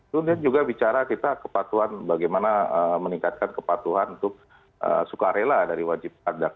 kemudian juga bicara kita kepatuhan bagaimana meningkatkan kepatuhan untuk sukarela dari wajib pajak